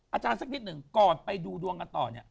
อาจารย์สักนิดนึงก่อนไปดูดวงกันต่อนี่